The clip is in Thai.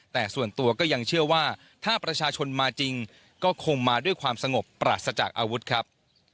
แต่ส่วนตัวก็ยังเชื่อว่าถ้าประชาชนมาจริงก็คงมาด้วยความสงบปราศจากอาวุธครับ